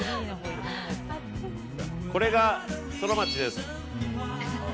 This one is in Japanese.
これがソラマチです。